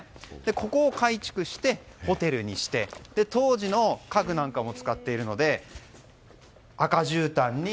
ここを改築してホテルにして当時の家具なんかも使っているので赤じゅうたんに